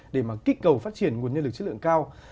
để mà kích cầu phát triển nguồn nhân lực chất lượng cao